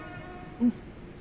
うん。